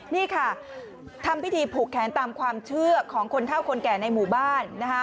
นี่ค่ะทำพิธีผูกแขนตามความเชื่อของคนเท่าคนแก่ในหมู่บ้านนะคะ